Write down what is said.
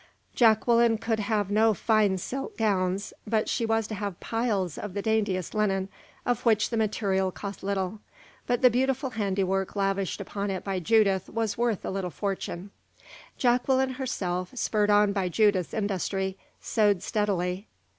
Jacqueline could have no fine silk gowns, but she was to have piles of the daintiest linen, of which the material cost little, but the beautiful handiwork lavished upon it by Judith was worth a little fortune. Jacqueline herself, spurred on by Judith's industry, sewed steadily.